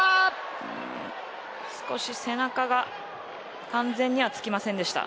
少し背中が完全には付きませんでした。